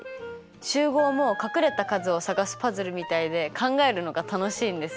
集合も隠れた数を探すパズルみたいで考えるのが楽しいんです。